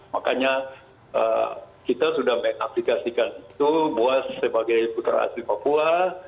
makanya kita sudah mengaplikasikan itu buat sebagai putra asli papua